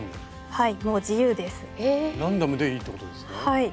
はい。